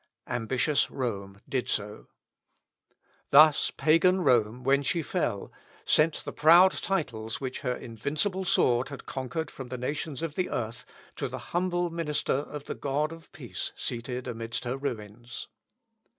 Ambitious Rome did so. Thus Pagan Rome, when she fell, sent the proud titles which her invincible sword had conquered from the nations of the earth to the humble minister of the God of peace seated amidst her ruins.